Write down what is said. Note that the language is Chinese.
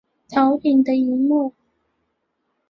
头顶的萤幕